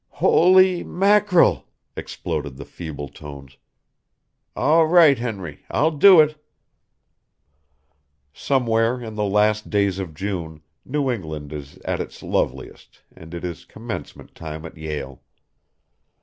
"Holy mackerel!" exploded the feeble tones. "All right, Henry, I'll do it." Somewhere in the last days of June, New England is at its loveliest and it is commencement time at Yale.